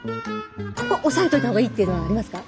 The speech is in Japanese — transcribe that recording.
ここ押さえておいたほうがいいっていうのはありますか？